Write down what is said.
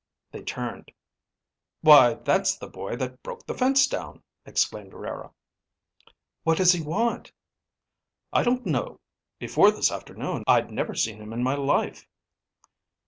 They turned. "Why that's the boy that broke the fence down," exclaimed Rara. "What does he want?" "I don't know. Before this afternoon I'd never seen him in my life."